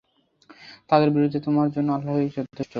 তাদের বিরুদ্ধে তোমার জন্যে আল্লাহই যথেষ্ট।